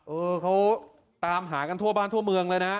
เออเขาตามหากันทั่วบ้านทั่วเมืองเลยนะ